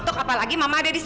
terima kasih well dulu aurel